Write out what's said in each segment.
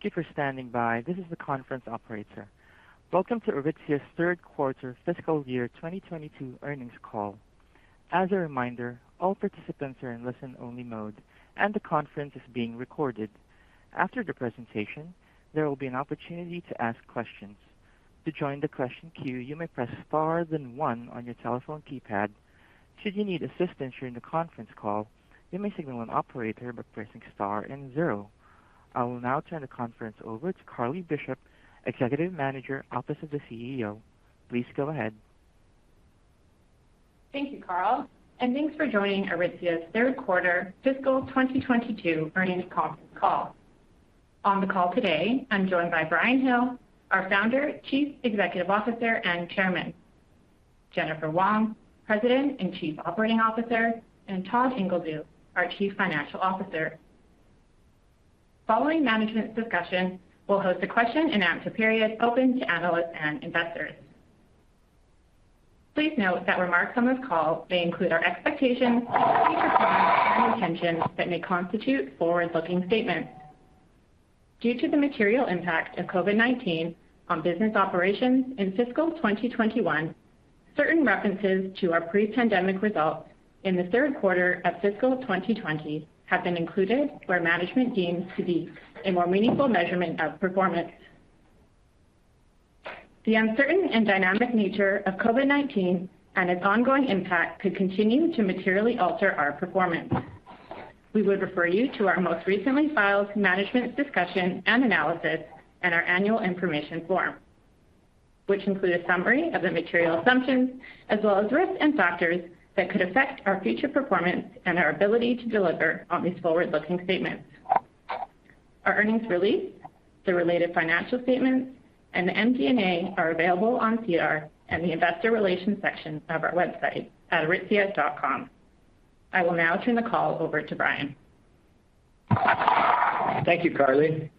This is the conference operator. Welcome to Aritzia's third quarter fiscal year 2022 earnings call. As a reminder, all participants are in listen-only mode, and the conference is being recorded. After the presentation, there will be an opportunity to ask questions. To join the question queue, you may press star then one on your telephone keypad. Should you need assistance during the conference call, you may signal an operator by pressing star and zero. I will now turn the conference over to Carly Bishop, Executive Manager, Office of the CEO. Please go ahead. Thank you, Carl, and thanks for joining Aritzia's third quarter fiscal 2022 earnings conference call. On the call today, I'm joined by Brian Hill, our Founder, Chief Executive Officer, and Chairman. Jennifer Wong, President and Chief Operating Officer, and Todd Ingledew, our Chief Financial Officer. Following management's discussion, we'll host a question and answer period open to analysts and investors. Please note that remarks on this call may include our expectations, future plans, and intentions that may constitute forward-looking statements. Due to the material impact of COVID-19 on business operations in fiscal 2021, certain references to our pre-pandemic results in the third quarter of fiscal 2020 have been included where management deems to be a more meaningful measurement of performance. The uncertain and dynamic nature of COVID-19 and its ongoing impact could continue to materially alter our performance. We would refer you to our most recently filed management discussion and analysis and our annual information form, which include a summary of the material assumptions as well as risks and factors that could affect our future performance and our ability to deliver on these forward-looking statements. Our earnings release, the related financial statements, and the MD&A are available on SEDAR and the investor relations section of our website at aritzia.com. I will now turn the call over to Brian. Thank you, Carly.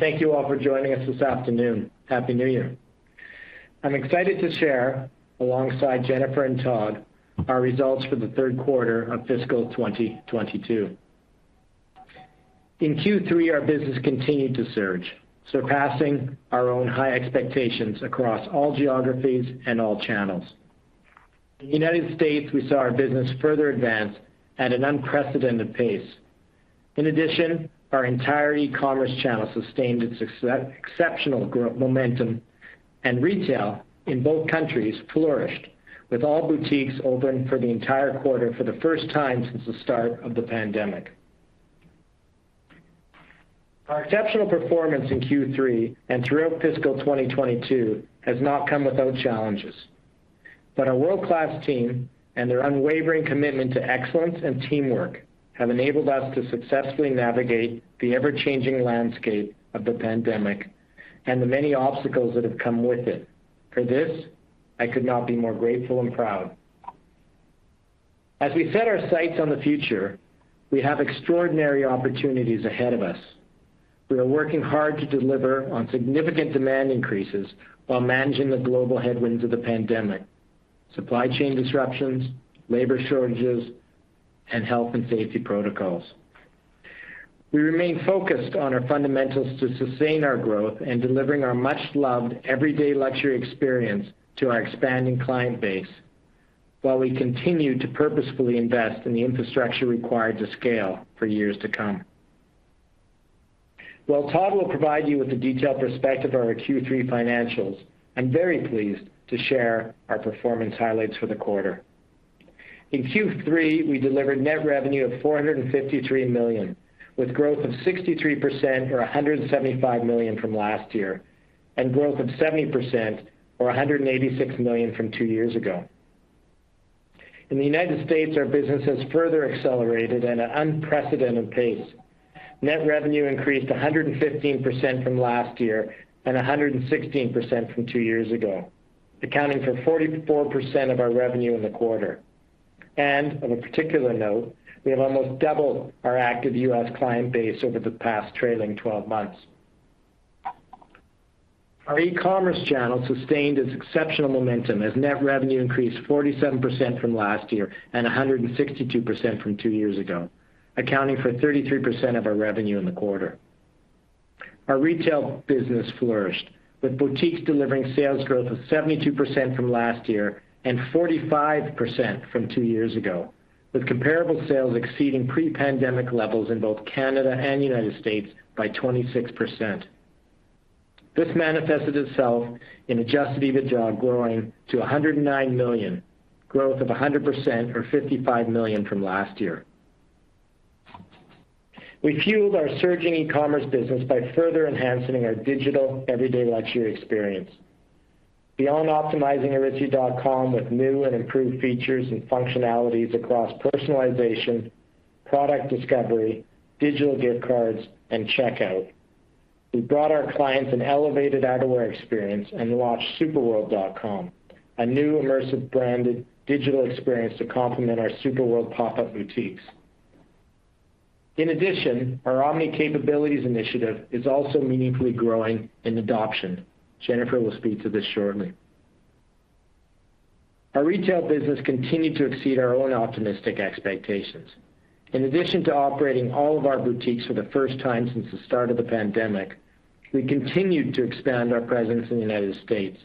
Thank you all for joining us this afternoon. Happy New Year. I'm excited to share alongside Jennifer and Todd our results for the third quarter of fiscal 2022. In Q3, our business continued to surge, surpassing our own high expectations across all geographies and all channels. In the United States, we saw our business further advance at an unprecedented pace. In addition, our entire e-commerce channel sustained its exceptional growth momentum, and retail in both countries flourished, with all boutiques open for the entire quarter for the first time since the start of the pandemic. Our exceptional performance in Q3 and throughout fiscal 2022 has not come without challenges. Our world-class team and their unwavering commitment to excellence and teamwork have enabled us to successfully navigate the ever-changing landscape of the pandemic and the many obstacles that have come with it. For this, I could not be more grateful and proud. As we set our sights on the future, we have extraordinary opportunities ahead of us. We are working hard to deliver on significant demand increases while managing the global headwinds of the pandemic, supply chain disruptions, labor shortages, and health and safety protocols. We remain focused on our fundamentals to sustain our growth and delivering our much-loved everyday luxury experience to our expanding client base while we continue to purposefully invest in the infrastructure required to scale for years to come. While Todd will provide you with a detailed perspective on our Q3 financials, I'm very pleased to share our performance highlights for the quarter. In Q3, we delivered net revenue of 453 million, with growth of 63% or 175 million from last year and growth of 70% or 186 million from two years ago. In the United States, our business has further accelerated at an unprecedented pace. Net revenue increased 115% from last year and 116% from two years ago, accounting for 44% of our revenue in the quarter. On a particular note, we have almost doubled our active U.S. client base over the past trailing twelve months. Our e-commerce channel sustained its exceptional momentum as net revenue increased 47% from last year and 162% from two years ago, accounting for 33% of our revenue in the quarter. Our retail business flourished, with boutiques delivering sales growth of 72% from last year and 45% from two years ago, with comparable sales exceeding pre-pandemic levels in both Canada and United States by 26%. This manifested itself in adjusted EBITDA growing to 109 million, growth of 100% or 55 million from last year. We fueled our surging e-commerce business by further enhancing our digital everyday luxury experience. Beyond optimizing aritzia.com with new and improved features and functionalities across personalization, product discovery, digital gift cards, and checkout, we brought our clients an elevated outerwear experience and launched superworld.com, a new immersive branded digital experience to complement our Super World pop-up boutiques. In addition, our omni capabilities initiative is also meaningfully growing in adoption. Jennifer will speak to this shortly. Our retail business continued to exceed our own optimistic expectations. In addition to operating all of our boutiques for the first time since the start of the pandemic, we continued to expand our presence in the United States.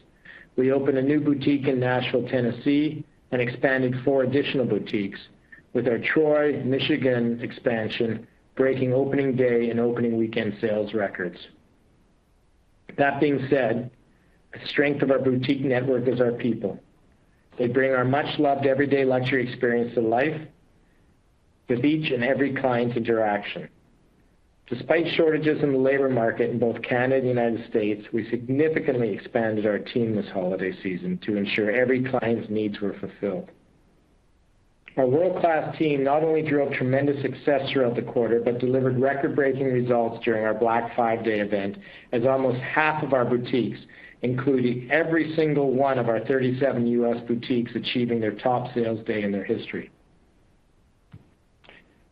We opened a new boutique in Nashville, Tennessee, and expanded four additional boutiques with our Troy, Michigan expansion, breaking opening day and opening weekend sales records. That being said, the strength of our boutique network is our people. They bring our much-loved everyday luxury experience to life with each and every client interaction. Despite shortages in the labor market in both Canada and United States, we significantly expanded our team this holiday season to ensure every client's needs were fulfilled. Our world-class team not only drove tremendous success throughout the quarter, but delivered record-breaking results during our Black Fiveday Event, as almost half of our boutiques, including every single one of our 37 U.S. boutiques, achieving their top sales day in their history.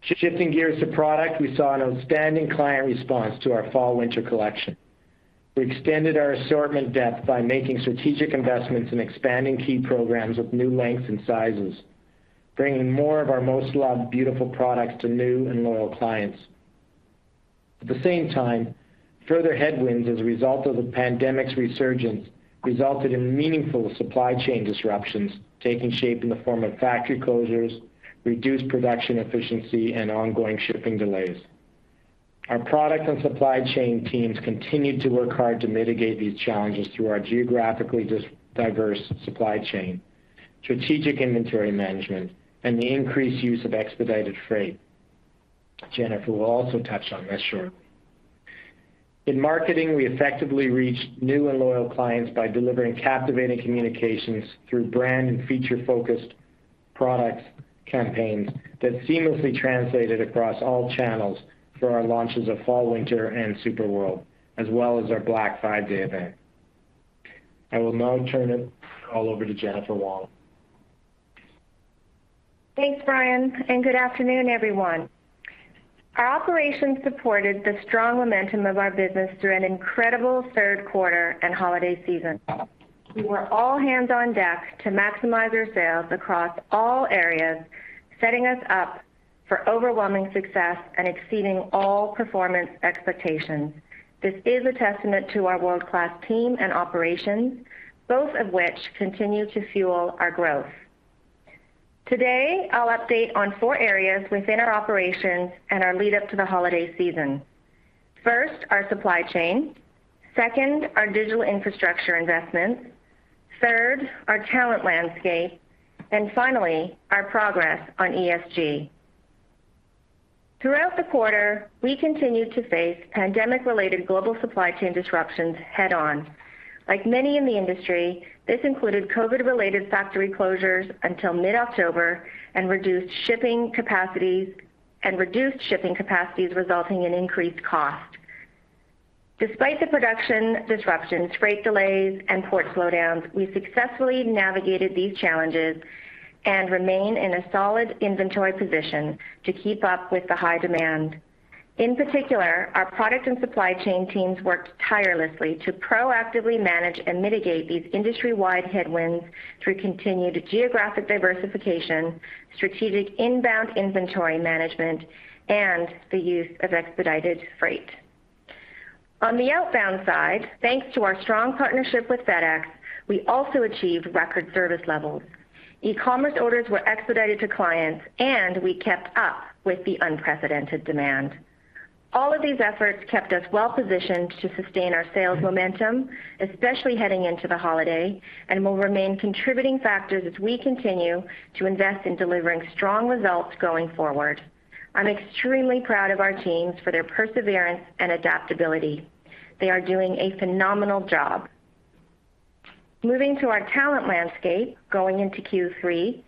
Shifting gears to product, we saw an outstanding client response to our fall/winter collection. We extended our assortment depth by making strategic investments and expanding key programs with new lengths and sizes, bringing more of our most loved beautiful products to new and loyal clients. At the same time, further headwinds as a result of the pandemic's resurgence resulted in meaningful supply chain disruptions taking shape in the form of factory closures, reduced production efficiency, and ongoing shipping delays. Our product and supply chain teams continued to work hard to mitigate these challenges through our geographically diverse supply chain, strategic inventory management, and the increased use of expedited freight. Jennifer will also touch on this shortly. In marketing, we effectively reached new and loyal clients by delivering captivating communications through brand and feature-focused product campaigns that seamlessly translated across all channels for our launches of fall/winter and Super World, as well as our Black Fiveday Event. I will now turn it all over to Jennifer Wong. Thanks, Brian, and good afternoon, everyone. Our operations supported the strong momentum of our business through an incredible third quarter and holiday season. We were all hands on deck to maximize our sales across all areas, setting us up for overwhelming success and exceeding all performance expectations. This is a testament to our world-class team and operations, both of which continue to fuel our growth. Today, I'll update on four areas within our operations and our lead up to the holiday season. First, our supply chain, second, our digital infrastructure investments, third, our talent landscape, and finally, our progress on ESG. Throughout the quarter, we continued to face pandemic-related global supply chain disruptions head on. Like many in the industry, this included COVID-related factory closures until mid-October and reduced shipping capacities resulting in increased cost. Despite the production disruptions, freight delays, and port slowdowns, we successfully navigated these challenges and remain in a solid inventory position to keep up with the high demand. In particular, our product and supply chain teams worked tirelessly to proactively manage and mitigate these industry-wide headwinds through continued geographic diversification, strategic inbound inventory management, and the use of expedited freight. On the outbound side, thanks to our strong partnership with FedEx, we also achieved record service levels. E-commerce orders were expedited to clients, and we kept up with the unprecedented demand. All of these efforts kept us well-positioned to sustain our sales momentum, especially heading into the holiday, and will remain contributing factors as we continue to invest in delivering strong results going forward. I'm extremely proud of our teams for their perseverance and adaptability. They are doing a phenomenal job. Moving to our talent landscape going into Q3,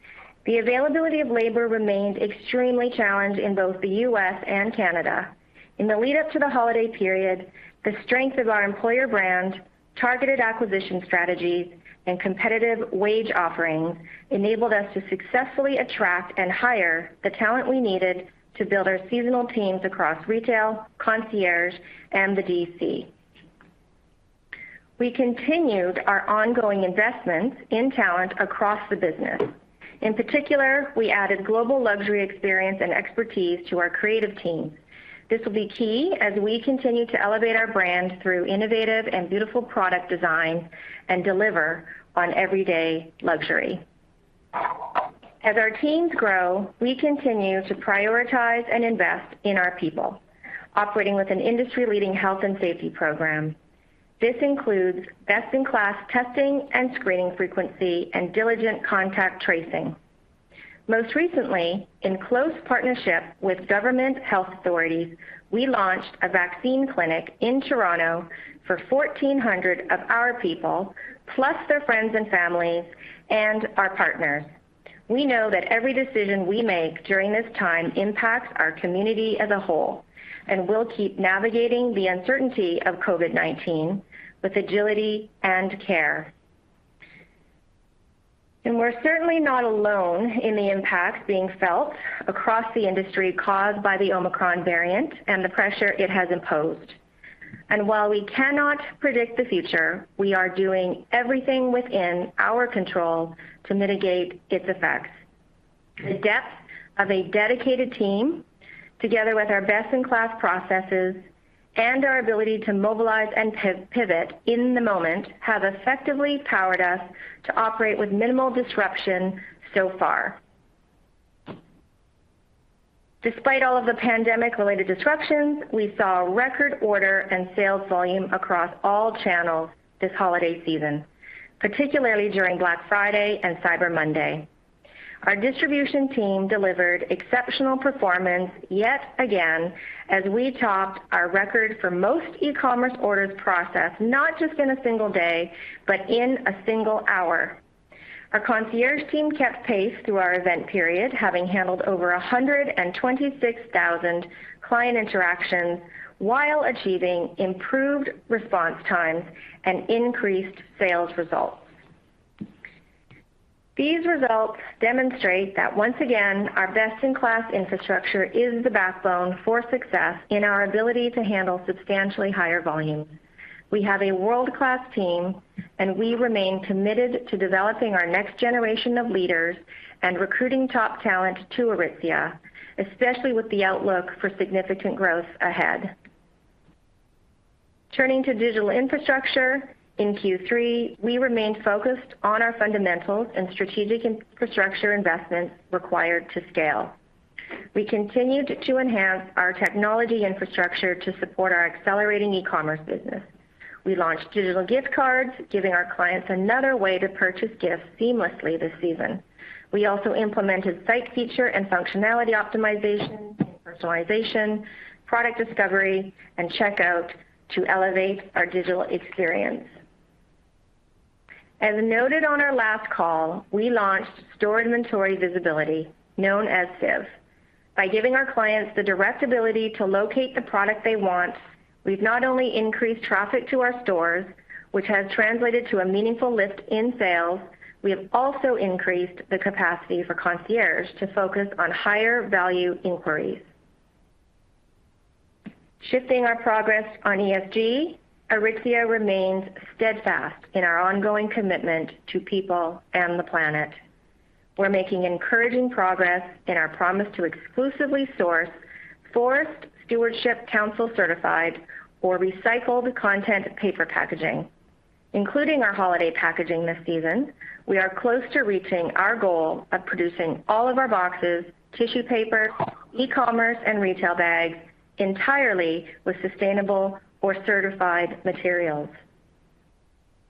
the availability of labor remained extremely challenged in both the U.S. and Canada. In the lead up to the holiday period, the strength of our employer brand, targeted acquisition strategies, and competitive wage offerings enabled us to successfully attract and hire the talent we needed to build our seasonal teams across retail, concierge, and the DC. We continued our ongoing investments in talent across the business. In particular, we added global luxury experience and expertise to our creative team. This will be key as we continue to elevate our brand through innovative and beautiful product design and deliver on everyday luxury. As our teams grow, we continue to prioritize and invest in our people, operating with an industry-leading health and safety program. This includes best-in-class testing and screening frequency and diligent contact tracing. Most recently, in close partnership with government health authorities, we launched a vaccine clinic in Toronto for 1,400 of our people, plus their friends and families and our partners. We know that every decision we make during this time impacts our community as a whole, and we'll keep navigating the uncertainty of COVID-19 with agility and care. We're certainly not alone in the impact being felt across the industry caused by the Omicron variant and the pressure it has imposed. While we cannot predict the future, we are doing everything within our control to mitigate its effects. The depth of a dedicated team, together with our best-in-class processes, and our ability to mobilize and pivot in the moment have effectively powered us to operate with minimal disruption so far. Despite all of the pandemic-related disruptions, we saw a record order and sales volume across all channels this holiday season, particularly during Black Friday and Cyber Monday. Our distribution team delivered exceptional performance yet again as we topped our record for most e-commerce orders processed, not just in a single day, but in a single hour. Our concierge team kept pace through our event period, having handled over 126,000 client interactions while achieving improved response times and increased sales results. These results demonstrate that once again, our best-in-class infrastructure is the backbone for success in our ability to handle substantially higher volumes. We have a world-class team, and we remain committed to developing our next generation of leaders and recruiting top talent to Aritzia, especially with the outlook for significant growth ahead. Turning to digital infrastructure, in Q3, we remained focused on our fundamentals and strategic infrastructure investments required to scale. We continued to enhance our technology infrastructure to support our accelerating e-commerce business. We launched digital gift cards, giving our clients another way to purchase gifts seamlessly this season. We also implemented site feature and functionality optimization and personalization, product discovery, and checkout to elevate our digital experience. As noted on our last call, we launched Store Inventory Visibility, known as SIV. By giving our clients the direct ability to locate the product they want, we've not only increased traffic to our stores, which has translated to a meaningful lift in sales, we have also increased the capacity for concierge to focus on higher value inquiries. Sharing our progress on ESG, Aritzia remains steadfast in our ongoing commitment to people and the planet. We're making encouraging progress in our promise to exclusively source Forest Stewardship Council certified or recycled content paper packaging. Including our holiday packaging this season, we are close to reaching our goal of producing all of our boxes, tissue paper, e-commerce, and retail bags entirely with sustainable or certified materials.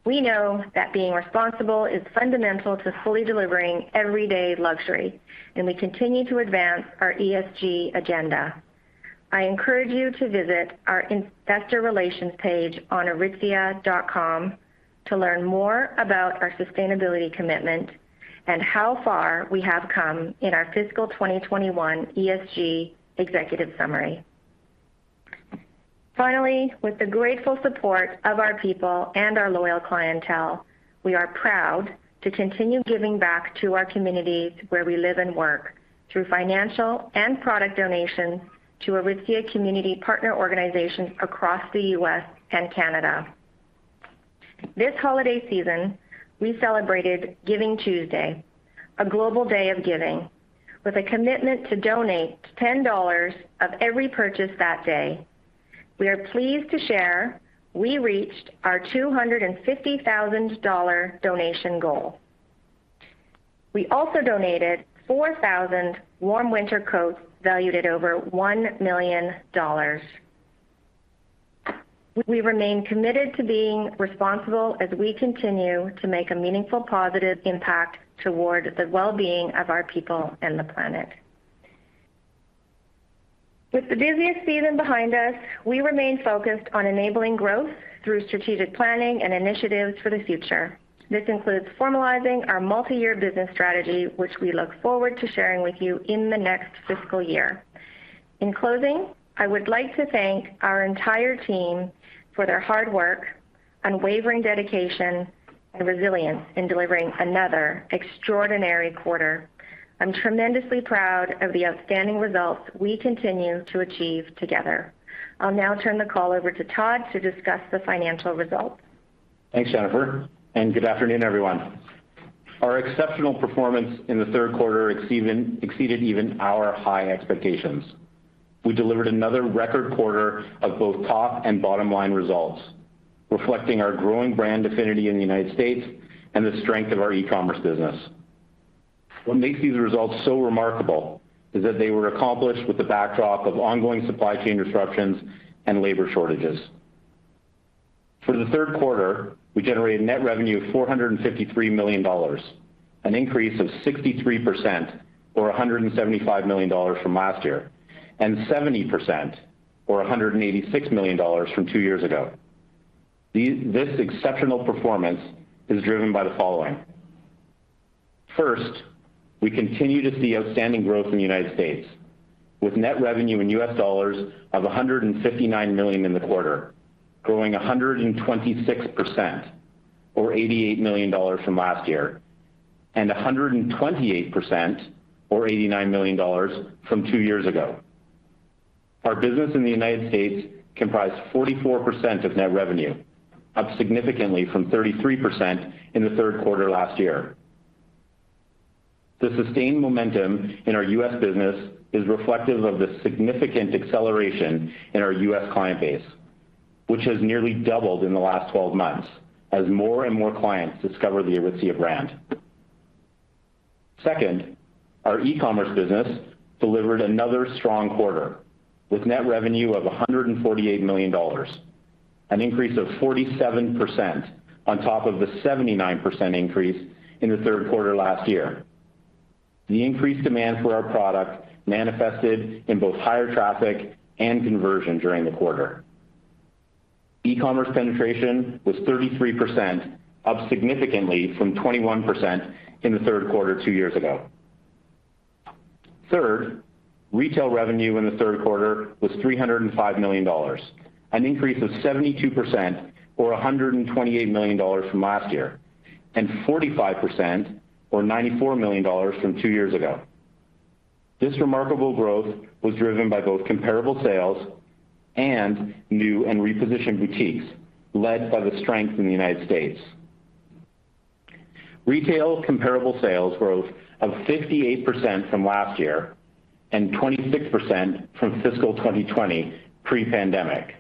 We know that being responsible is fundamental to fully delivering everyday luxury, and we continue to advance our ESG agenda. I encourage you to visit our investor relations page on aritzia.com to learn more about our sustainability commitment and how far we have come in our fiscal 2021 ESG executive summary. Finally, with the grateful support of our people and our loyal clientele, we are proud to continue giving back to our communities where we live and work through financial and product donations to Aritzia community partner organizations across the U.S. and Canada. This holiday season, we celebrated GivingTuesday, a global day of giving, with a commitment to donate 10 dollars of every purchase that day. We are pleased to share we reached our 250,000 dollar donation goal. We also donated 4,000 warm winter coats valued at over 1 million dollars. We remain committed to being responsible as we continue to make a meaningful, positive impact toward the well-being of our people and the planet. With the busiest season behind us, we remain focused on enabling growth through strategic planning and initiatives for the future. This includes formalizing our multi-year business strategy, which we look forward to sharing with you in the next fiscal year. In closing, I would like to thank our entire team for their hard work, unwavering dedication and resilience in delivering another extraordinary quarter. I'm tremendously proud of the outstanding results we continue to achieve together. I'll now turn the call over to Todd to discuss the financial results. Thanks, Jennifer, and good afternoon, everyone. Our exceptional performance in the third quarter exceeded even our high expectations. We delivered another record quarter of both top and bottom-line results, reflecting our growing brand affinity in the United States and the strength of our e-commerce business. What makes these results so remarkable is that they were accomplished with the backdrop of ongoing supply chain disruptions and labor shortages. For the third quarter, we generated net revenue of 453 million dollars, an increase of 63% or 175 million dollars from last year, and 70% or 186 million dollars from two years ago. This exceptional performance is driven by the following. First, we continue to see outstanding growth in the United States, with net revenue in U.S. dollars of $159 million in the quarter, growing 126% or $88 million from last year, and 128% or $89 million from two years ago. Our business in the United States comprised 44% of net revenue, up significantly from 33% in the third quarter last year. The sustained momentum in our U.S. business is reflective of the significant acceleration in our U.S. client base, which has nearly doubled in the last 12 months as more and more clients discover the Aritzia brand. Second, our e-commerce business delivered another strong quarter with net revenue of 148 million dollars, an increase of 47% on top of the 79% increase in the third quarter last year. The increased demand for our product manifested in both higher traffic and conversion during the quarter. E-commerce penetration was 33%, up significantly from 21% in the third quarter two years ago. Third, retail revenue in the third quarter was 305 million dollars, an increase of 72% or 128 million dollars from last year, and 45% or 94 million dollars from two years ago. This remarkable growth was driven by both comparable sales and new and repositioned boutiques led by the strength in the United States. Retail comparable sales growth of 58% from last year and 26% from fiscal 2020 pre-pandemic.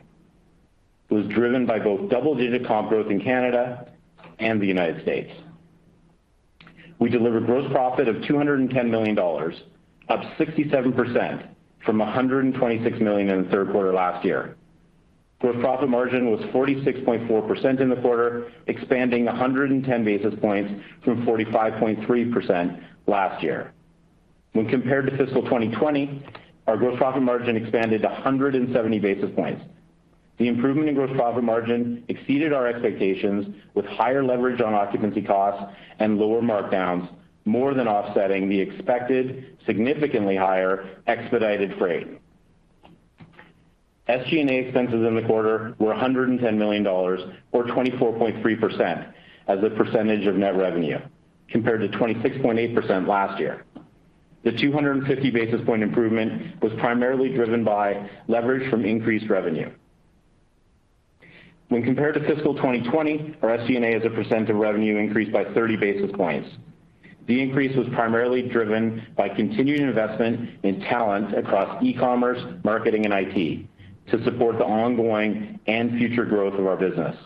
It was driven by both double-digit comp growth in Canada and the United States. We delivered gross profit of 210 million dollars, up 67% from 126 million in the third quarter last year. Gross profit margin was 46.4% in the quarter, expanding 110 basis points from 45.3% last year. When compared to fiscal 2020, our gross profit margin expanded to 170 basis points. The improvement in gross profit margin exceeded our expectations with higher leverage on occupancy costs and lower markdowns, more than offsetting the expected, significantly higher expedited freight. SG&A expenses in the quarter were 110 million dollars or 24.3% as a percentage of net revenue, compared to 26.8% last year. The 250 basis point improvement was primarily driven by leverage from increased revenue. When compared to fiscal 2020, our SG&A as a percent of revenue increased by 30 basis points. The increase was primarily driven by continued investment in talent across e-commerce, marketing and IT to support the ongoing and future growth of our business.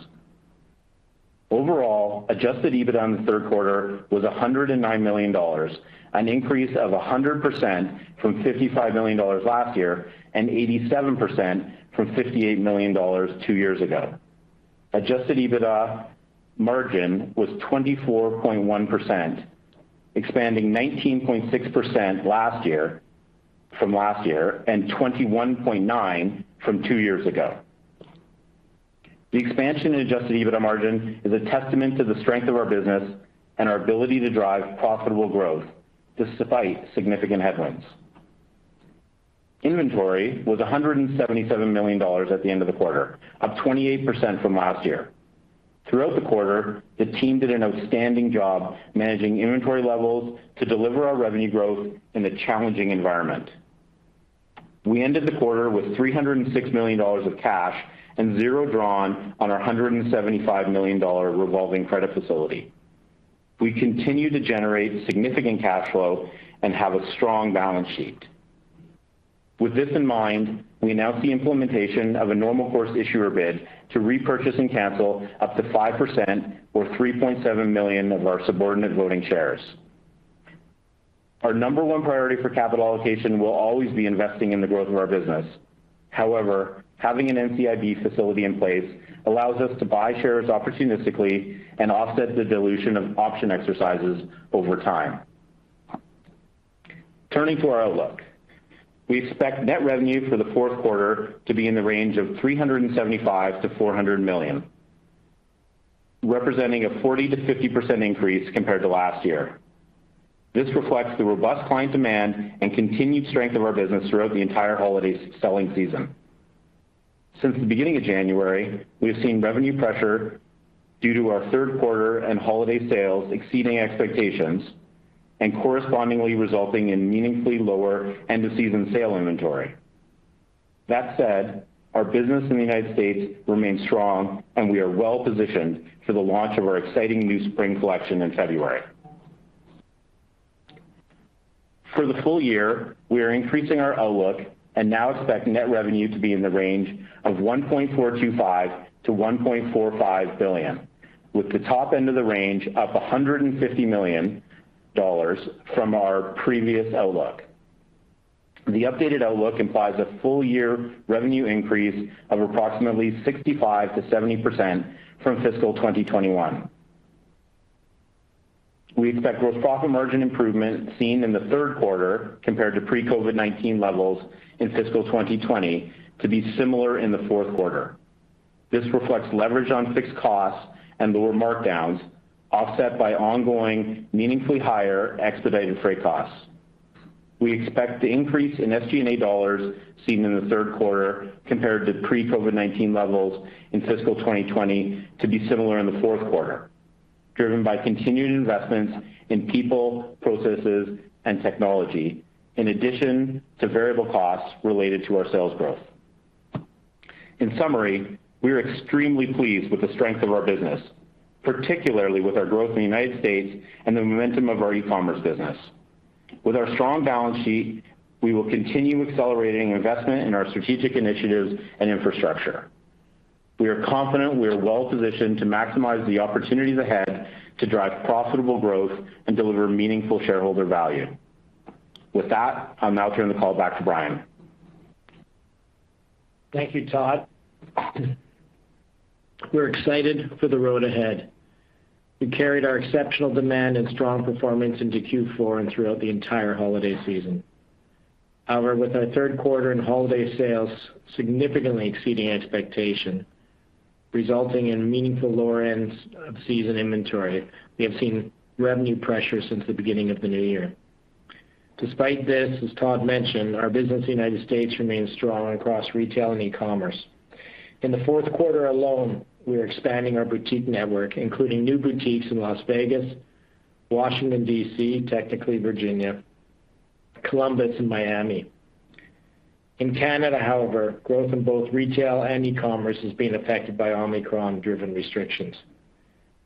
Overall, adjusted EBITDA in the third quarter was 109 million dollars, an increase of 100% from 55 million dollars last year and 87% from 58 million dollars two years ago. Adjusted EBITDA margin was 24.1%, expanding 19.6% from last year and 21.9% from two years ago. The expansion in adjusted EBITDA margin is a testament to the strength of our business and our ability to drive profitable growth despite significant headwinds. Inventory was 177 million dollars at the end of the quarter, up 28% from last year. Throughout the quarter, the team did an outstanding job managing inventory levels to deliver our revenue growth in a challenging environment. We ended the quarter with 306 million dollars of cash and zero drawn on our 175 million dollar revolving credit facility. We continue to generate significant cash flow and have a strong balance sheet. With this in mind, we announced the implementation of a normal course issuer bid to repurchase and cancel up to 5% or 3.7 million of our subordinate voting shares. Our number one priority for capital allocation will always be investing in the growth of our business. However, having an NCIB facility in place allows us to buy shares opportunistically and offset the dilution of option exercises over time. Turning to our outlook. We expect net revenue for the fourth quarter to be in the range of 375 million-400 million, representing a 40%-50% increase compared to last year. This reflects the robust client demand and continued strength of our business throughout the entire holiday selling season. Since the beginning of January, we have seen revenue pressure due to our third quarter and holiday sales exceeding expectations and correspondingly resulting in meaningfully lower end-of-season sale inventory. That said, our business in the United States remains strong, and we are well-positioned for the launch of our exciting new spring collection in February. For the full year, we are increasing our outlook and now expect net revenue to be in the range of 1.425 billion-1.45 billion, with the top end of the range up 150 million dollars from our previous outlook. The updated outlook implies a full year revenue increase of approximately 65%-70% from fiscal 2021. We expect gross profit margin improvement seen in the third quarter compared to pre-COVID-19 levels in fiscal 2020 to be similar in the fourth quarter. This reflects leverage on fixed costs and lower markdowns offset by ongoing meaningfully higher expedited freight costs. We expect the increase in SG&A dollars seen in the third quarter compared to pre-COVID-19 levels in fiscal 2020 to be similar in the fourth quarter, driven by continued investments in people, processes, and technology, in addition to variable costs related to our sales growth. In summary, we are extremely pleased with the strength of our business, particularly with our growth in the United States and the momentum of our e-commerce business. With our strong balance sheet, we will continue accelerating investment in our strategic initiatives and infrastructure. We are confident we are well-positioned to maximize the opportunities ahead to drive profitable growth and deliver meaningful shareholder value. With that, I'll now turn the call back to Brian. Thank you, Todd. We're excited for the road ahead. We carried our exceptional demand and strong performance into Q4 and throughout the entire holiday season. However, with our third quarter and holiday sales significantly exceeding expectations, resulting in meaningfully lower end-of-season inventory, we have seen revenue pressure since the beginning of the new year. Despite this, as Todd mentioned, our business in the United States remains strong across retail and e-commerce. In the fourth quarter alone, we are expanding our boutique network, including new boutiques in Las Vegas, Washington, D.C., technically Virginia, Columbus, and Miami. In Canada, however, growth in both retail and e-commerce is being affected by Omicron-driven restrictions.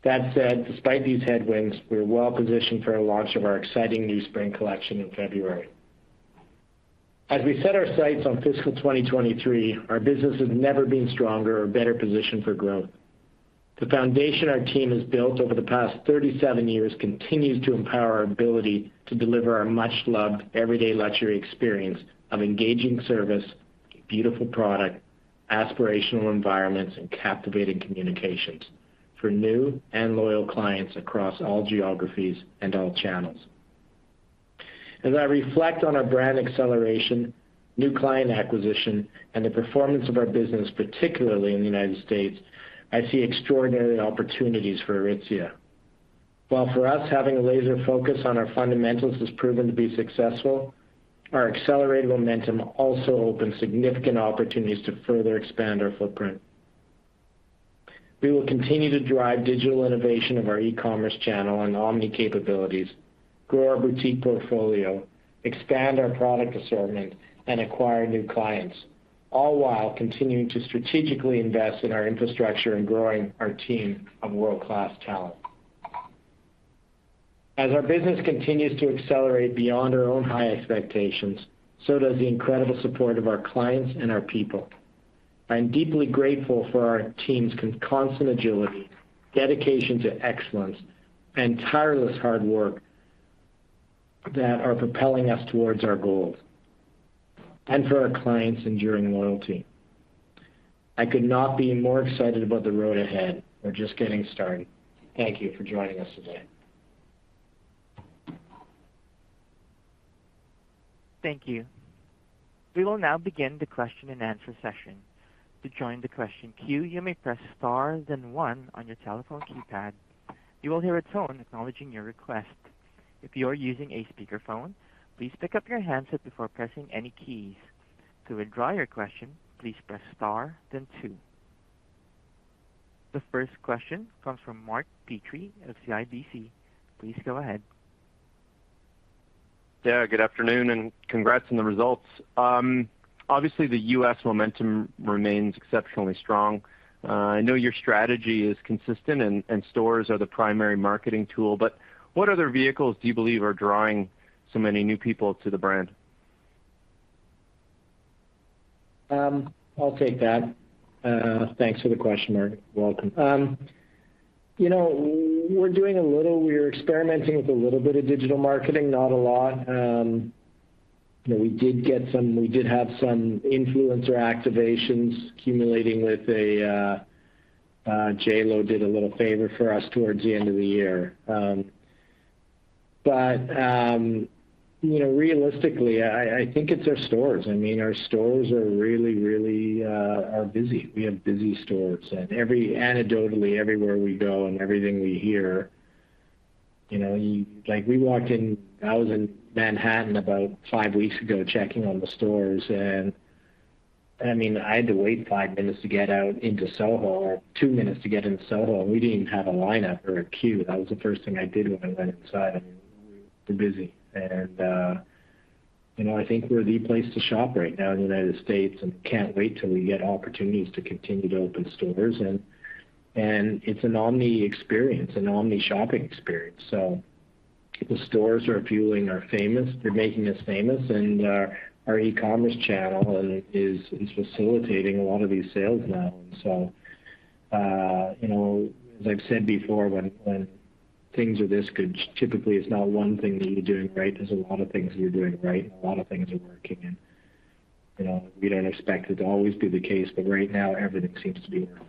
That said, despite these headwinds, we're well positioned for a launch of our exciting new spring collection in February. As we set our sights on fiscal 2023, our business has never been stronger or better positioned for growth. The foundation our team has built over the past 37 years continues to empower our ability to deliver our much-loved everyday luxury experience of engaging service, beautiful product, aspirational environments, and captivating communications for new and loyal clients across all geographies and all channels. As I reflect on our brand acceleration, new client acquisition, and the performance of our business, particularly in the United States, I see extraordinary opportunities for Aritzia. While for us, having a laser focus on our fundamentals has proven to be successful, our accelerated momentum also opens significant opportunities to further expand our footprint. We will continue to drive digital innovation of our e-commerce channel and omni capabilities, grow our boutique portfolio, expand our product assortment, and acquire new clients, all while continuing to strategically invest in our infrastructure and growing our team of world-class talent. As our business continues to accelerate beyond our own high expectations, so does the incredible support of our clients and our people. I am deeply grateful for our team's constant agility, dedication to excellence, and tireless hard work that are propelling us towards our goals and for our clients' enduring loyalty. I could not be more excited about the road ahead. We're just getting started. Thank you for joining us today. Thank you. We will now begin the question and answer session. To join the question queue, you may press star then one on your telephone keypad. You will hear a tone acknowledging your request. If you are using a speakerphone, please pick up your handset before pressing any keys. To withdraw your question, please press star then twH. The first question comes from Mark Petrie of CIBC. Please go ahead. Yeah, good afternoon, and congrats on the results. Obviously, the U.S. momentum remains exceptionally strong. I know your strategy is consistent and stores are the primary marketing tool, but what other vehicles do you believe are drawing so many new people to the brand? I'll take that. Thanks for the question, Mark. Welcome. You know, we're experimenting with a little bit of digital marketing, not a lot. You know, we did have some influencer activations culminating with J.Lo did a little favor for us towards the end of the year. But you know, realistically, I think it's our stores. I mean, our stores are busy. We have busy stores. Anecdotally, everywhere we go and everything we hear, you know, like, we walked in. I was in Manhattan about five weeks ago checking on the stores, and I mean, I had to wait five minutes to get out into SoHo or two minutes to get into SoHo, and we didn't even have a line up or a queue. That was the first thing I did when I went inside. I mean, we're busy. You know, I think we're the place to shop right now in the United States, and can't wait till we get opportunities to continue to open stores. It's an omni experience, an omni shopping experience. The stores are fueling our fame. They're making us famous. Our e-commerce channel is facilitating a lot of these sales now. You know, as I've said before, when things are this good, typically it's not one thing that you're doing right, there's a lot of things you're doing right and a lot of things are working. You know, we don't expect it to always be the case, but right now everything seems to be working.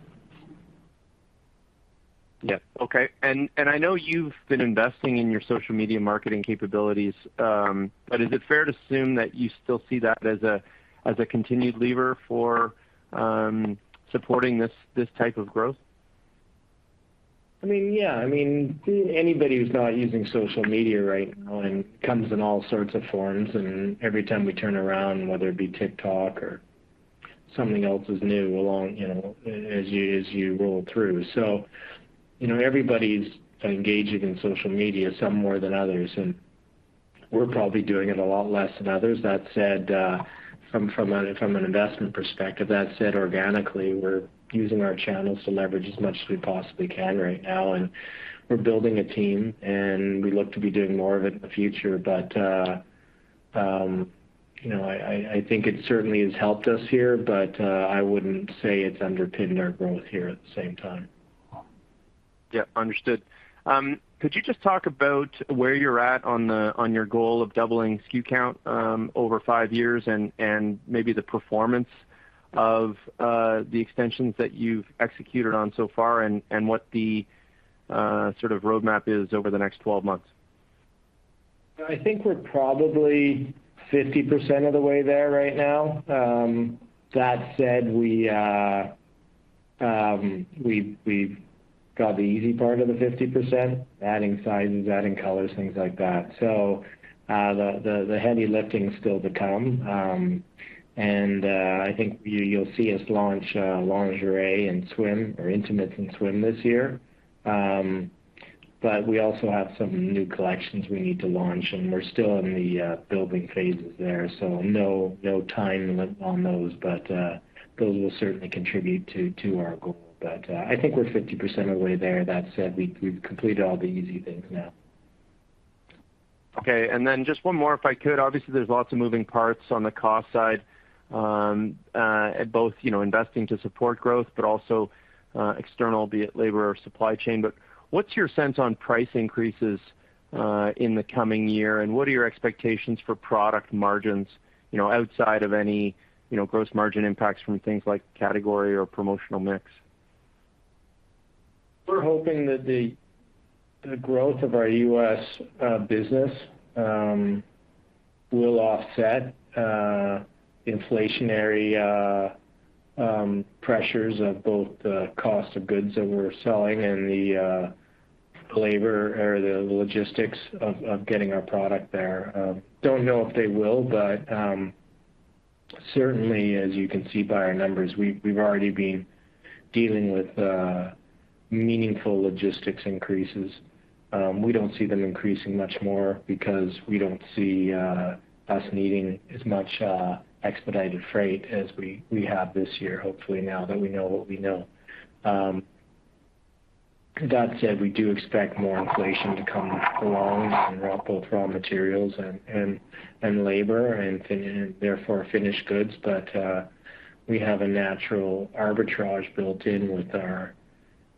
Yeah. Okay. I know you've been investing in your social media marketing capabilities, but is it fair to assume that you still see that as a continued lever for supporting this type of growth? I mean, anybody who's not using social media right now, and comes in all sorts of forms, and every time we turn around, whether it be TikTok or something else is new along, you know, as you roll through. You know, everybody's engaging in social media, some more than others, and we're probably doing it a lot less than others. That said, from an investment perspective, organically, we're using our channels to leverage as much as we possibly can right now. We're building a team, and we look to be doing more of it in the future. You know, I think it certainly has helped us here, but I wouldn't say it's underpinned our growth here at the same time. Yeah. Understood. Could you just talk about where you're at on your goal of doubling SKU count over five years and maybe the performance of the extensions that you've executed on so far and what the sort of roadmap is over the next 12 months? I think we're probably 50% of the way there right now. That said, we've got the easy part of the 50%, adding sizes, adding colors, things like that. The heavy lifting is still to come. I think you'll see us launch lingerie and swim or intimates and swim this year. We also have some new collections we need to launch, and we're still in the building phases there. No time limit on those, but those will certainly contribute to our goal. I think we're 50% of the way there. That said, we've completed all the easy things now. Okay. Just one more, if I could. Obviously, there's lots of moving parts on the cost side, at both, you know, investing to support growth, but also, external, be it labor or supply chain. What's your sense on price increases in the coming year? What are your expectations for product margins, you know, outside of any, you know, gross margin impacts from things like category or promotional mix? We're hoping that the growth of our U.S. business will offset inflationary pressures of both the cost of goods that we're selling and the labor or the logistics of getting our product there. Don't know if they will, but certainly, as you can see by our numbers, we've already been dealing with meaningful logistics increases. We don't see them increasing much more because we don't see us needing as much expedited freight as we have this year, hopefully, now that we know what we know. That said, we do expect more inflation to come along in both raw materials and labor and therefore finished goods. But we have a natural arbitrage built in with our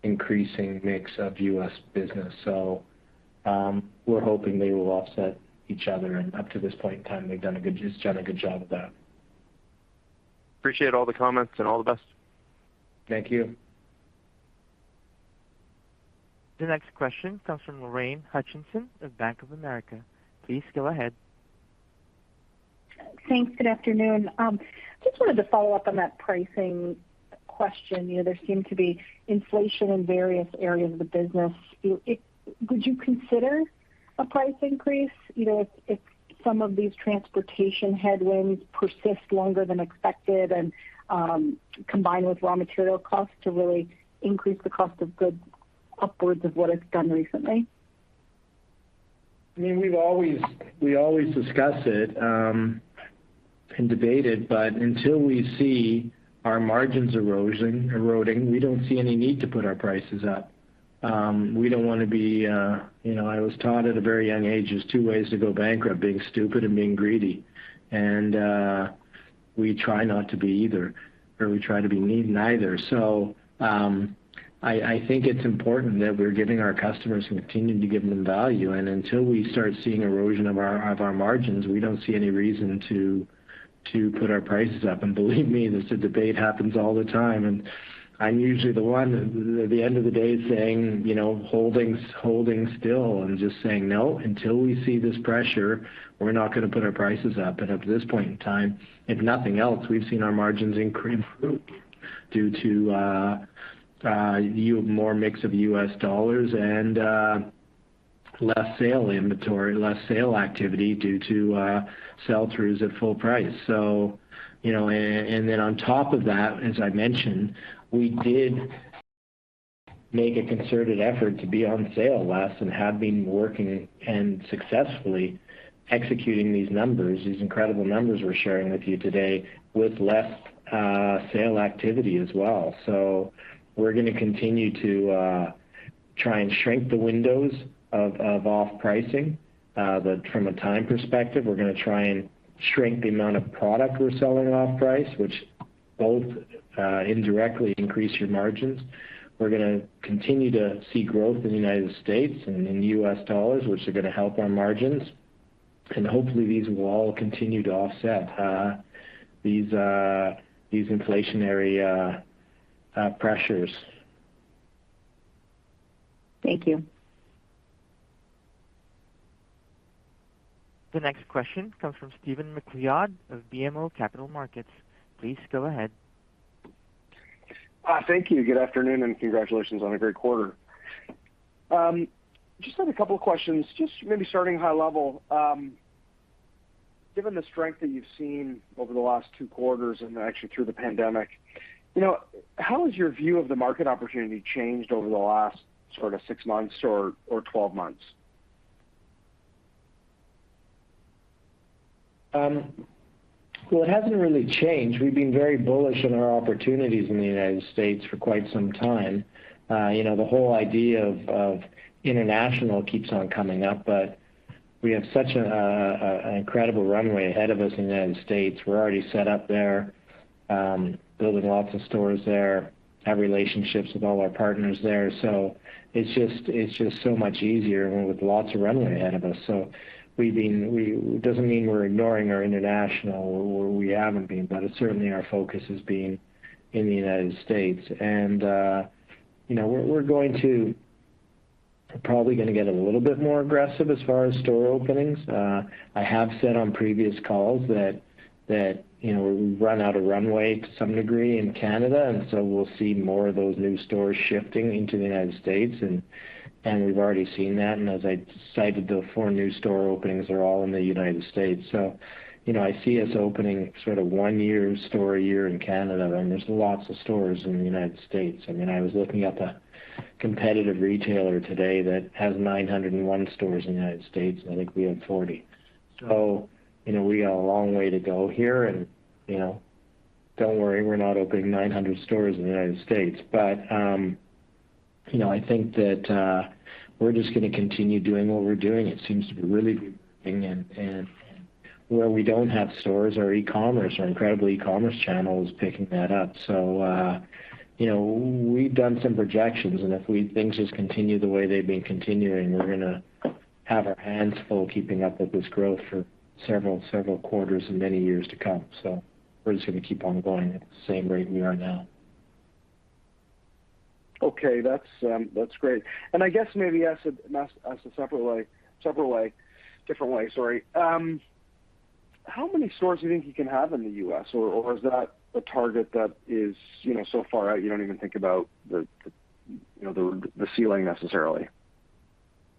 increasing mix of U.S. business. We're hoping they will offset each other. Up to this point in time, it's done a good job of that. Appreciate all the comments, and all the best. Thank you. The next question comes from Lorraine Hutchinson of Bank of America. Please go ahead. Thanks. Good afternoon. Just wanted to follow up on that pricing question. You know, there seemed to be inflation in various areas of the business. Would you consider a price increase, you know, if some of these transportation headwinds persist longer than expected and combined with raw material costs to really increase the cost of goods upwards of what it's done recently? I mean, we always discuss it and debate it, but until we see our margins eroding, we don't see any need to put our prices up. We don't wanna be, you know. I was taught at a very young age, there's two ways to go bankrupt, being stupid and being greedy. We try not to be either, or we try to be neither. I think it's important that we're giving our customers and continuing to give them value. Until we start seeing erosion of our margins, we don't see any reason to put our prices up. Believe me, this debate happens all the time, and I'm usually the one at the end of the day saying, you know, holding still and just saying, "No, until we see this pressure, we're not gonna put our prices up." Up to this point in time, if nothing else, we've seen our margins increase due to more mix of U.S. dollars and less sale inventory, less sale activity due to sell-throughs at full price. You know, then on top of that, as I mentioned, we did make a concerted effort to be on sale less and have been working and successfully executing these numbers, these incredible numbers we're sharing with you today with less sale activity as well. We're gonna continue to try and shrink the windows of off pricing. From a time perspective, we're gonna try and shrink the amount of product we're selling off price, which both indirectly increase your margins. We're gonna continue to see growth in the United States and in U.S. dollars, which are gonna help our margins. Hopefully these will all continue to offset these inflationary pressures. Thank you. The next question comes from Stephen MacLeod of BMO Capital Markets. Please go ahead. Thank you. Good afternoon, and congratulations on a great quarter. Just have a couple of questions. Just maybe starting high level. Given the strength that you've seen over the last two quarters and actually through the pandemic, you know, how has your view of the market opportunity changed over the last sort of six months or 12 months? Well, it hasn't really changed. We've been very bullish on our opportunities in the United States for quite some time. You know, the whole idea of international keeps on coming up, but we have such an incredible runway ahead of us in the United States. We're already set up there, building lots of stores there, have relationships with all our partners there. It's just so much easier and with lots of runway ahead of us. It doesn't mean we're ignoring our international or we haven't been, but certainly our focus has been in the United States. You know, we're going to probably gonna get a little bit more aggressive as far as store openings. I have said on previous calls that you know we've run out of runway to some degree in Canada, and so we'll see more of those new stores shifting into the United States. We've already seen that. As I cited, the four new store openings are all in the United States. You know, I see us opening sort of one store a year in Canada, and there's lots of stores in the United States. I mean, I was looking at a competitive retailer today that has 901 stores in the United States. I think we have 40. You know, we got a long way to go here and, you know, don't worry, we're not opening 900 stores in the United States. You know, I think that, we're just gonna continue doing what we're doing. It seems to be really good thing. Where we don't have stores, our e-commerce, our incredible e-commerce channel is picking that up. You know, we've done some projections, and if things just continue the way they've been continuing, we're gonna have our hands full keeping up with this growth for several quarters and many years to come. We're just gonna keep on going at the same rate we are now. Okay. That's great. I guess maybe ask separately different way. Sorry. How many stores do you think you can have in the U.S., or is that a target that is, you know, so far out you don't even think about the, you know, the ceiling necessarily?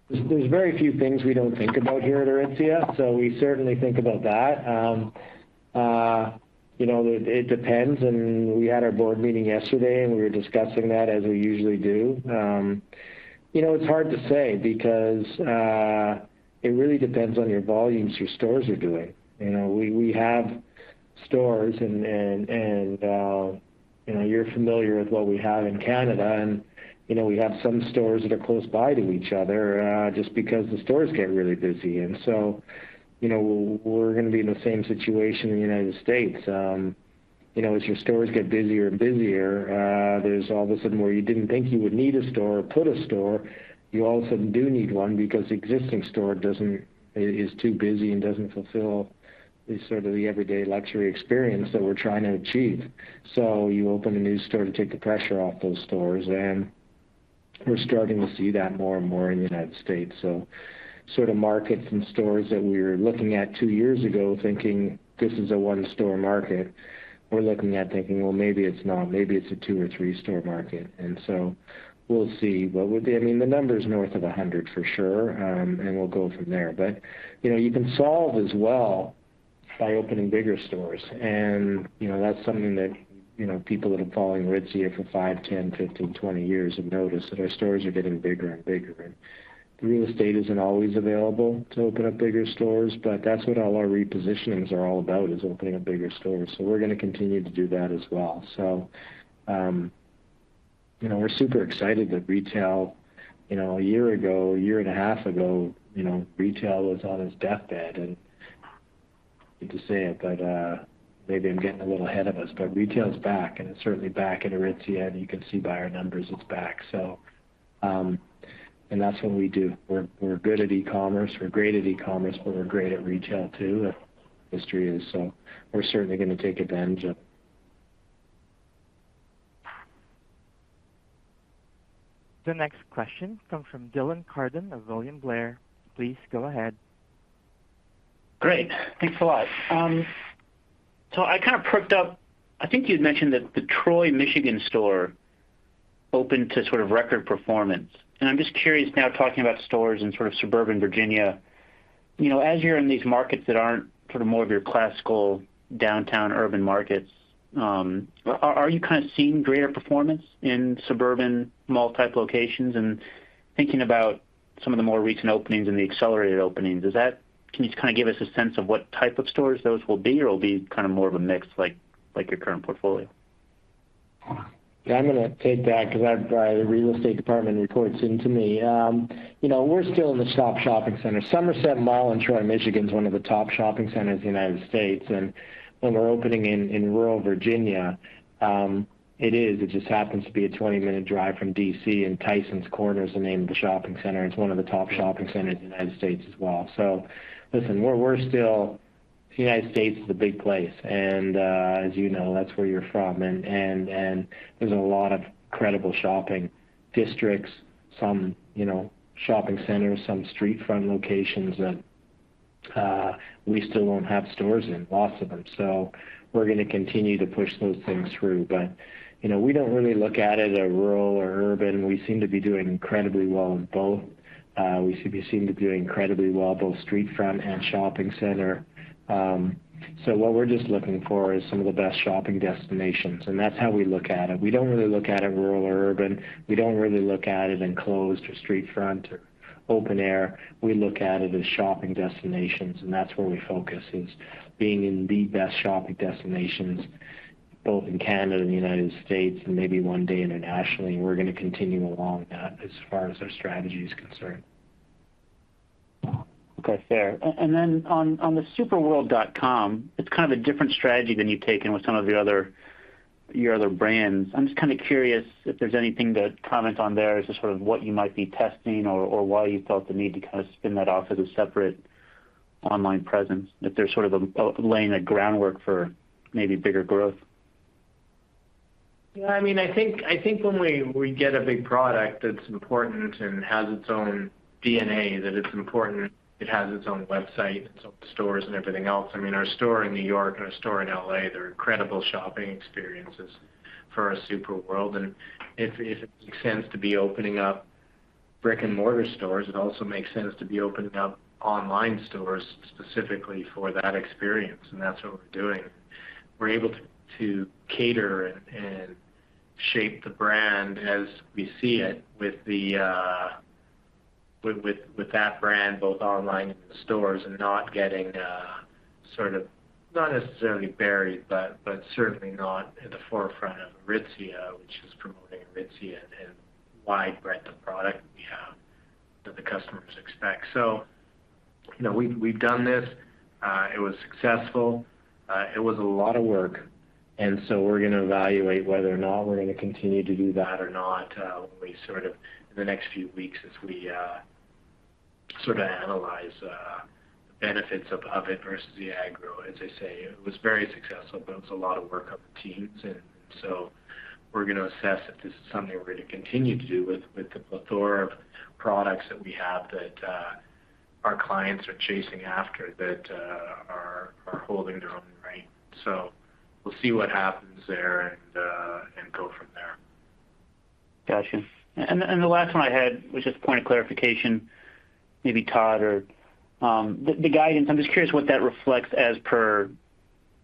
There's very few things we don't think about here at Aritzia, so we certainly think about that. You know, it depends, and we had our board meeting yesterday, and we were discussing that as we usually do. You know, it's hard to say because it really depends on your volumes your stores are doing. You know, we have stores and, you know, you're familiar with what we have in Canada and, you know, we have some stores that are close by to each other, just because the stores get really busy. You know, we're gonna be in the same situation in the United States. You know, as your stores get busier and busier, there's all of a sudden where you didn't think you would need a store or put a store, you all of a sudden do need one because the existing store is too busy and doesn't fulfill the sort of the everyday luxury experience that we're trying to achieve. You open a new store to take the pressure off those stores, and we're starting to see that more and more in the United States. Sort of markets and stores that we were looking at two years ago thinking this is a one store market, we're looking at thinking, "Well, maybe it's not. Maybe it's a two or three store market." We'll see. I mean, the number's north of 100 for sure, and we'll go from there. You know, you can solve as well by opening bigger stores. You know, that's something that, you know, people that have been following Aritzia for five, 10, 15, 20 years have noticed that our stores are getting bigger and bigger. The real estate isn't always available to open up bigger stores, but that's what all our repositionings are all about is opening up bigger stores. We're gonna continue to do that as well. You know, we're super excited that retail. You know, a year ago, a year and a half ago, you know, retail was on its deathbed, and to say it, but maybe I'm getting a little ahead of us, but retail is back, and it's certainly back at Aritzia, and you can see by our numbers it's back. That's what we do. We're good at e-commerce, we're great at e-commerce, but we're great at retail, too. We're certainly gonna take advantage of... The next question comes from Dylan Carden of William Blair. Please go ahead. Great. Thanks a lot. So I kind of perked up. I think you'd mentioned that the Troy, Michigan store opened to sort of record performance. I'm just curious now talking about stores in sort of suburban Virginia, you know, as you're in these markets that aren't sort of more of your classical downtown urban markets, are you kind of seeing greater performance in suburban mall-type locations? Thinking about some of the more recent openings and the accelerated openings, can you just kind of give us a sense of what type of stores those will be or will be kind of more of a mix like your current portfolio? Yeah, I'm gonna take that 'cause our real estate department reports into me. You know, we're still in the top shopping center. Somerset Mall in Troy, Michigan, is one of the top shopping centers in the United States. When we're opening in rural Virginia, it just happens to be a 20-minute drive from D.C., and Tysons Corner is the name of the shopping center. It's one of the top shopping centers in the United States as well. Listen, the United States is a big place, and as you know, that's where you're from. There's a lot of credible shopping districts, some you know, shopping centers, some street front locations that we still don't have stores in, lots of them. We're gonna continue to push those things through. You know, we don't really look at it as rural or urban. We seem to be doing incredibly well in both. We seem to be doing incredibly well, both street front and shopping center. What we're just looking for is some of the best shopping destinations, and that's how we look at it. We don't really look at it rural or urban. We don't really look at it enclosed or street front or open air. We look at it as shopping destinations, and that's where we focus, is being in the best shopping destinations both in Canada and United States and maybe one day internationally. We're gonna continue along that as far as our strategy is concerned. Okay. Fair. On superworld.com, it's kind of a different strategy than you've taken with some of your other brands. I'm just kind of curious if there's anything to comment on there as to sort of what you might be testing or why you felt the need to kind of spin that off as a separate online presence, if they're sort of laying the groundwork for maybe bigger growth? Yeah, I mean, I think when we get a big product that's important and has its own DNA, that it's important it has its own website and its own stores and everything else. I mean, our store in New York and our store in L.A., they're incredible shopping experiences for our Super World. If it makes sense to be opening up brick-and-mortar stores, it also makes sense to be opening up online stores specifically for that experience, and that's what we're doing. We're able to cater and shape the brand as we see it with that brand both online and in the stores and not getting sort of not necessarily buried, but certainly not in the forefront of Aritzia, which is promoting Aritzia and wide breadth of product we have that the customers expect. You know, we've done this. It was successful. It was a lot of work, and we're gonna evaluate whether or not we're gonna continue to do that or not, when we sort of in the next few weeks as we sort of analyze the benefits of it versus the agony, as they say. It was very successful, but it was a lot of work on the teams, and so we're gonna assess if this is something we're gonna continue to do with the plethora of products that we have that our clients are chasing after that are holding their own right. We'll see what happens there and go from there. Got you. Then the last one I had was just a point of clarification, maybe Todd or. The guidance, I'm just curious what that reflects as per,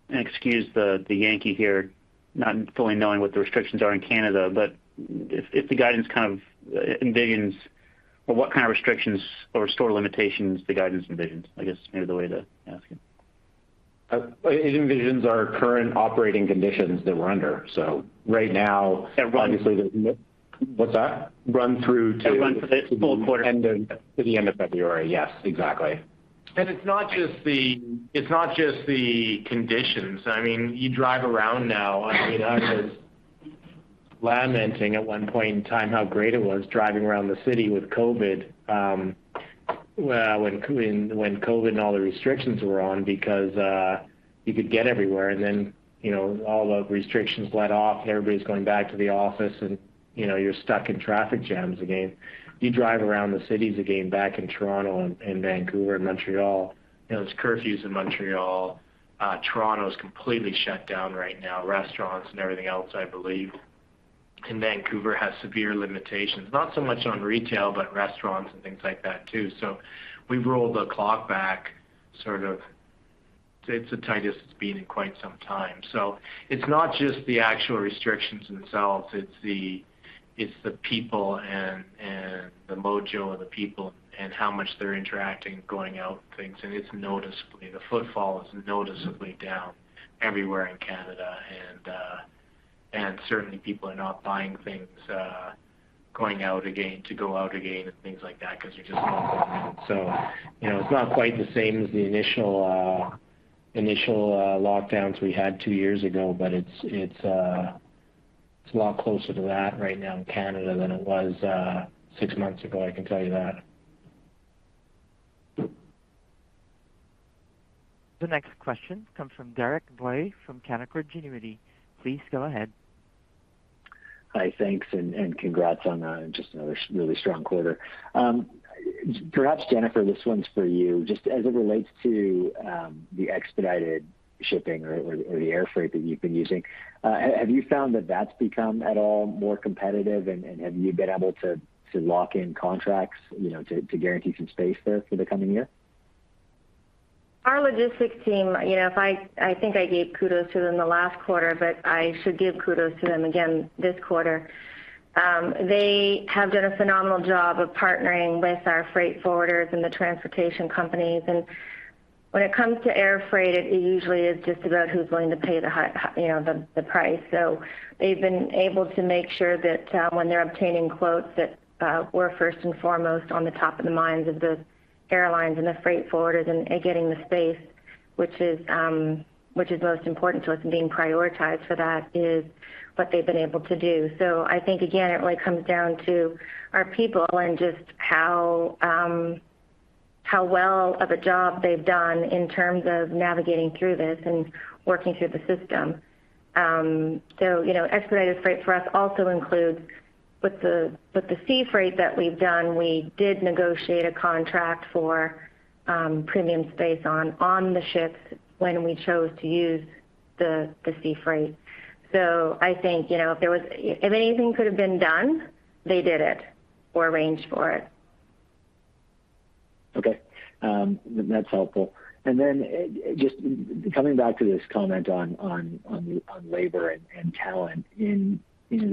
and excuse the Yankee here not fully knowing what the restrictions are in Canada. If the guidance kind of envisions or what kind of restrictions or store limitations the guidance envisions, I guess maybe the way to ask it. It envisions our current operating conditions that we're under. Right now, obviously And run- What's that? Run through to- It runs through this full quarter. To the end of February. Yes, exactly. It's not just the conditions. I mean, you drive around now. I mean, I was lamenting at one point in time how great it was driving around the city with COVID, when COVID and all the restrictions were on because you could get everywhere. Then, you know, all the restrictions let off. Everybody's going back to the office, and, you know, you're stuck in traffic jams again. You drive around the cities again back in Toronto and Vancouver and Montreal, you know. There's curfews in Montreal. Toronto is completely shut down right now, restaurants and everything else, I believe. Vancouver has severe limitations, not so much on retail, but restaurants and things like that too. We've rolled the clock back, sort of. It's the tightest it's been in quite some time. It's not just the actual restrictions themselves, it's the people and the mojo of the people and how much they're interacting, going out and things. The footfall is noticeably down everywhere in Canada. Certainly people are not buying things to go out again and things like that because they're just not going out. You know, it's not quite the same as the initial lockdowns we had two years ago, but it's a lot closer to that right now in Canada than it was six months ago, I can tell you that. The next question comes from Derek Dley from Canaccord Genuity. Please go ahead. Hi. Thanks and congrats on just another really strong quarter. Perhaps Jennifer, this one's for you. Just as it relates to the expedited shipping or the air freight that you've been using, have you found that that's become at all more competitive and have you been able to lock in contracts, you know, to guarantee some space there for the coming year? Our logistics team, you know, I think I gave kudos to them the last quarter, but I should give kudos to them again this quarter. They have done a phenomenal job of partnering with our freight forwarders and the transportation companies. When it comes to air freight, it usually is just about who's willing to pay the high, you know, the price. They've been able to make sure that, when they're obtaining quotes that, we're first and foremost on the top of the minds of the airlines and the freight forwarders and getting the space which is most important to us and being prioritized for that is what they've been able to do. I think again, it really comes down to our people and just how well of a job they've done in terms of navigating through this and working through the system. You know, expedited freight for us also includes with the sea freight that we've done. We did negotiate a contract for premium space on the ships when we chose to use the sea freight. I think, you know, if there was. If anything could have been done, they did it or arranged for it. Okay. That's helpful. Just coming back to this comment on labor and talent. In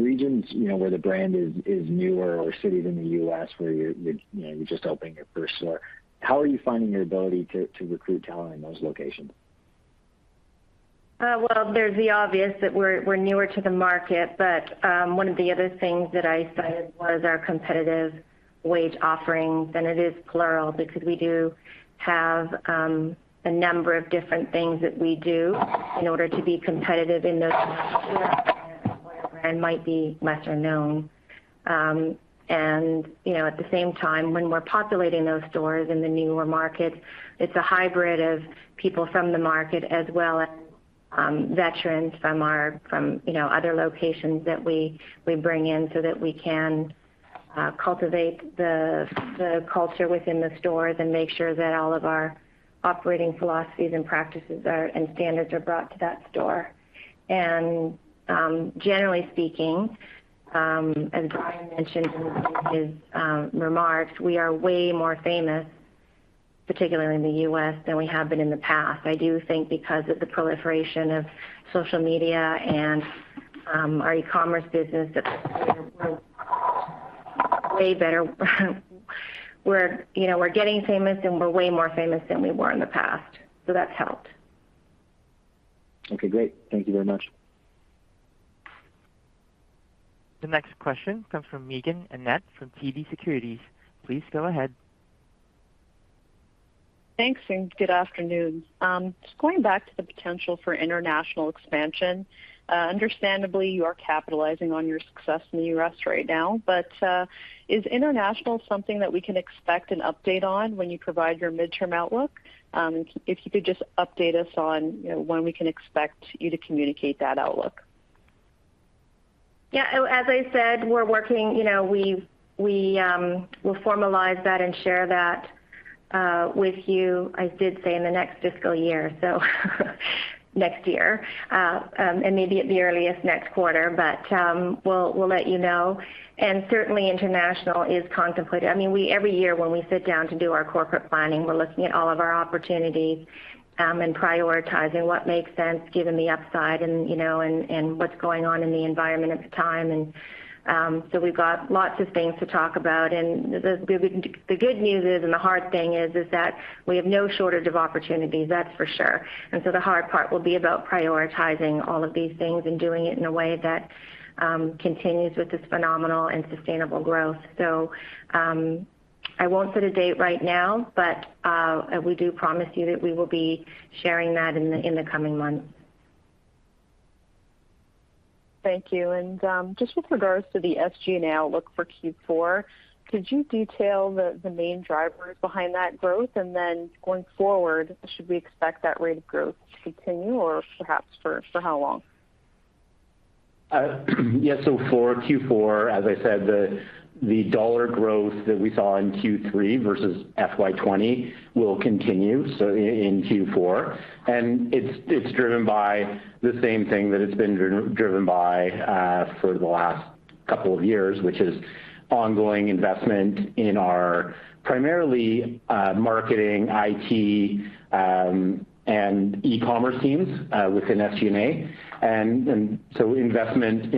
regions, you know, where the brand is newer or cities in the U.S. where you're, you know, you're just opening your first store, how are you finding your ability to recruit talent in those locations? Well, there's the obvious that we're newer to the market, but one of the other things that I cited was our competitive wage offerings, and it is plural because we do have a number of different things that we do in order to be competitive in those markets where our brand might be lesser known. You know, at the same time, when we're populating those stores in the newer markets, it's a hybrid of people from the market as well as veterans from our, you know, other locations that we bring in so that we can cultivate the culture within the stores and make sure that all of our operating philosophies and practices and standards are brought to that store. Generally speaking, as Brian mentioned in his remarks, we are way more famous, particularly in the U.S., than we have been in the past. I do think because of the proliferation of social media and our e-commerce business that we're way better. We're, you know, we're getting famous and we're way more famous than we were in the past, so that's helped. Okay, great. Thank you very much. The next question comes from Meaghen Annett from TD Securities. Please go ahead. Thanks, good afternoon. Just going back to the potential for international expansion, understandably, you are capitalizing on your success in the U.S. right now, but is international something that we can expect an update on when you provide your midterm outlook? If you could just update us on, you know, when we can expect you to communicate that outlook. As I said, we're working. You know, we'll formalize that and share that with you. I did say in the next fiscal year, so next year, and maybe at the earliest next quarter. But we'll let you know. Certainly international is contemplated. I mean, every year when we sit down to do our corporate planning, we're looking at all of our opportunities, and prioritizing what makes sense given the upside and, you know, and what's going on in the environment at the time. So we've got lots of things to talk about. The good news is, and the hard thing is, that we have no shortage of opportunities, that's for sure. The hard part will be about prioritizing all of these things and doing it in a way that continues with this phenomenal and sustainable growth. I won't set a date right now, but we do promise you that we will be sharing that in the coming months. Thank you. Just with regards to the SG&A outlook for Q4, could you detail the main drivers behind that growth? Going forward, should we expect that rate of growth to continue or perhaps for how long? For Q4, as I said, the dollar growth that we saw in Q3 versus FY 2020 will continue in Q4, and it's driven by the same thing that it's been driven by for the last couple of years, which is ongoing investment in our primarily marketing, IT, and e-commerce teams within SG&A. Investment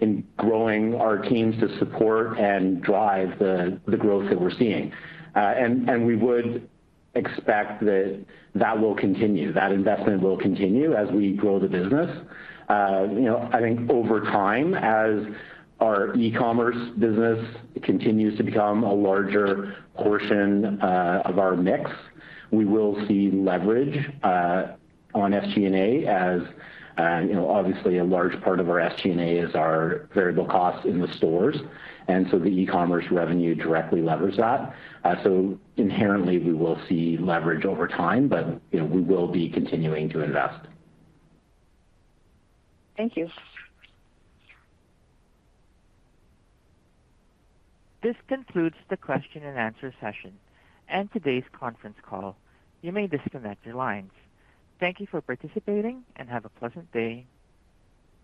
in growing our teams to support and drive the growth that we're seeing. We would expect that will continue, that investment will continue as we grow the business. You know, I think over time, as our e-commerce business continues to become a larger portion of our mix, we will see leverage on SG&A as you know, obviously a large part of our SG&A is our variable costs in the stores, and so the e-commerce revenue directly levers that. So inherently we will see leverage over time, but you know, we will be continuing to invest. Thank you. This concludes the question and answer session and today's conference call. You may disconnect your lines. Thank you for participating and have a pleasant day.